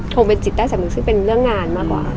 หนูเป็นจิตจะมีซึ่งเป็นเรื่องงานมากกว่า